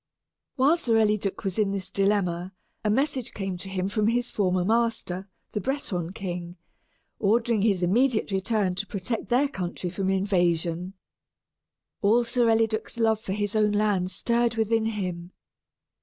While Sir Eliduc was in this dilemma, a message came to him from his former master, the Breton king, ordering his immediate return to protect their country from invasion. All Sir Eliduc's love for his own land stirred within him.